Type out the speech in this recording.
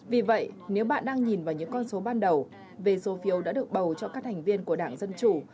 vì vậy nếu bạn đang nhìn vào những con số ban đầu về số phiếu đã được bầu cho các thành viên của đảng dân chủ